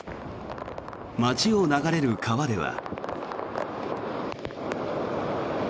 町を流れる川では。